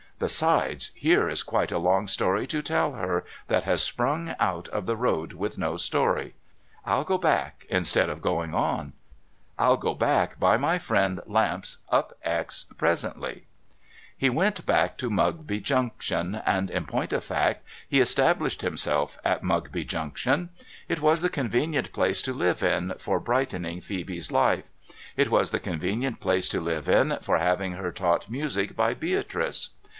Besides, here is quite a long story to tell her, that has sprung out of the road with no story. I'll go back, instead of going on, I'll go back by my friend Lamps's Up X presently.' THE MODEL REFRESHMENT ROOM 449 He went back to Mugby Junction, and, in point of fact, he established himself at Mugby Junction. It was the convenient })lace to live in, for brightening Phcebe's life. It was the con venient place to live in, for having her taught music by Beatrice.